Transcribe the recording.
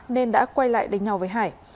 nên đã quay lại đánh nhau với hải